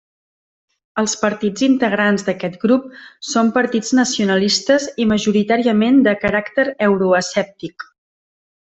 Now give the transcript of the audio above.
Els partits integrants d'aquest grup són partits nacionalistes i majoritàriament de caràcter euroescèptic.